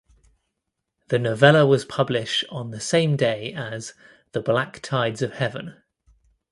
The novella was published on the same day as "The Black Tides of Heaven".